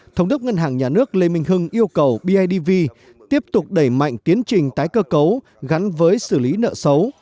thống đốc ngân hàng nhà nước lê minh hưng yêu cầu bidv tiếp tục đẩy mạnh tiến trình tái cơ cấu gắn với xử lý nợ xấu